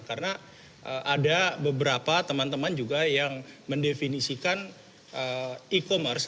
karena ada beberapa teman teman juga yang mendefinisikan e commerce